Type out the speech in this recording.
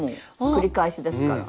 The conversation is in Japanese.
繰り返しですから。